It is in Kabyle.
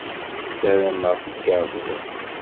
Sarameɣ teggerzeḍ.